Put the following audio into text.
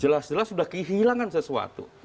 jelas jelas sudah kehilangan sesuatu